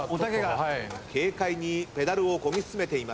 軽快にペダルをこぎ進めています。